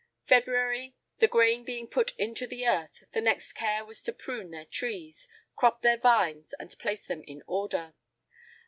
"February. The grain being put into the earth, the next care was to prune their trees, crop their vines, and place them in order.